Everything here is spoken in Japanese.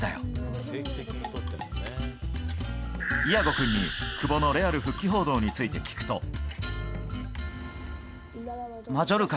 イアゴ君に、久保のレアル復帰報道について聞くと。